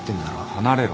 離れろ。